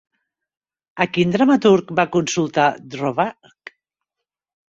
A quin dramaturg va consultar Dvořák?